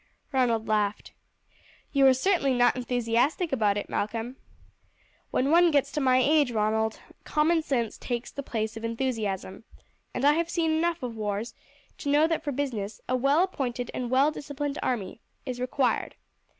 Ronald laughed. "You are certainly not enthusiastic about it, Malcolm." "When one gets to my age, Ronald, common sense takes the place of enthusiasm, and I have seen enough of wars to know that for business a well appointed and well disciplined army is required.